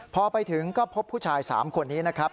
พอไปถึงก็พบผู้ชาย๓คนนี้นะครับ